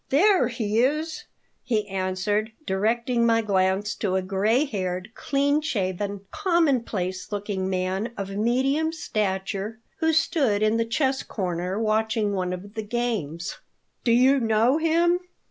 "There he is," he answered, directing my glance to a gray haired, clean shaven, commonplace looking man of medium stature who stood in the chess corner, watching one of the games. "Do you know him?"